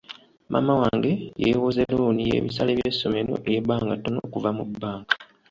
Maama wange yeewoze looni y'ebisale by'essomero ey'ebbanga ettono okuva mu banka.